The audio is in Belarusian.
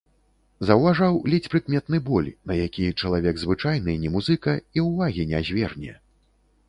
Заўважаў ледзь прыкметны боль, на які чалавек звычайны, не музыка, і ўвагі не зверне.